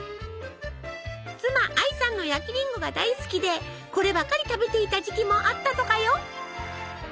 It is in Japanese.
妻アイさんの焼きりんごが大好きでこればかり食べていた時期もあったとかよ。